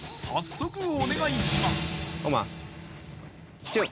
早速お願いします